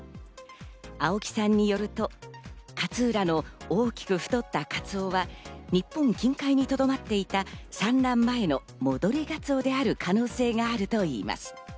青木さんによると、勝浦の大きく太ったカツオは日本近海にとどまっていた産卵前の戻りガツオである可能性があるといいます。